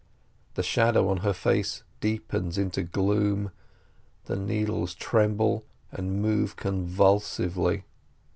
The shadow on her face deepens into gloom, the needles tremble and move convulsively.